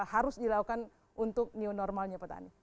harus dilakukan untuk new normalnya petani